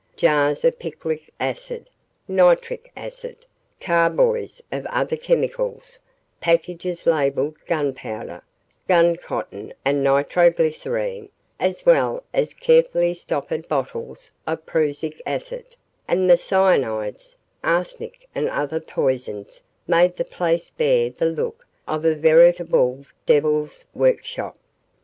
Jars of picric acid, nitric acid, carboys of other chemicals, packages labelled gunpowder, gun cotton and nitroglycerine, as well as carefully stoppered bottles of prussic acid, and the cyanides, arsenic and other poisons made the place bear the look of a veritable devil's workshop.